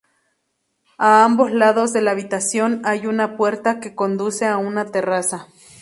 A ambos lados de la habitación hay una puerta que conduce a una terraza.